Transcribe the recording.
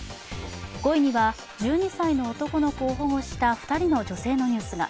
５位には１２歳の男の子を保護した２人の女性のニュースが。